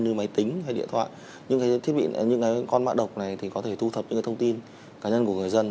như máy tính hay điện thoại những con mạng độc này thì có thể thu thập những thông tin cá nhân của người dân